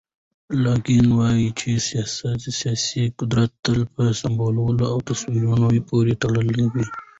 لاکان وایي چې سیاسي قدرت تل په سمبولونو او تصویرونو پورې تړلی وي.